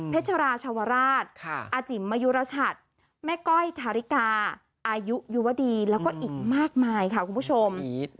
ชราชวราชอาจิ๋มมยุรชัดแม่ก้อยทาริกาอายุยุวดีแล้วก็อีกมากมายค่ะคุณผู้ชม